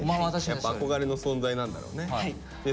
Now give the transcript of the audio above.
やっぱ憧れの存在なんだろうね。